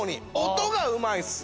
音がうまいっす！